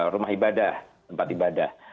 rumah ibadah tempat ibadah